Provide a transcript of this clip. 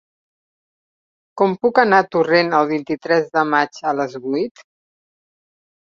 Com puc anar a Torrent el vint-i-tres de maig a les vuit?